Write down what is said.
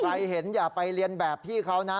ใครเห็นอย่าไปเรียนแบบพี่เขานะ